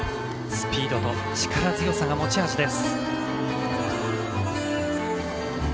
スピードと力強さが持ち味です。